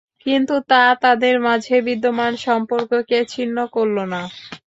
কিন্তু তা তাঁদের মাঝে বিদ্যমান সম্পর্ককে ছিন্ন করল না।